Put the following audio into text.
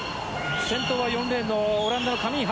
先頭は４レーンのオランダのカミンハ。